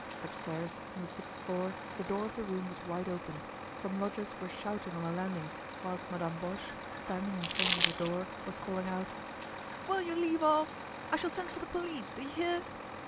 Upstairs, on the sixth floor the door of the room was wide open, some lodgers were shouting on the landing, whilst Madame Boche, standing in front of the door, was calling out: "Will you leave off? I shall send for the police; do you hear?"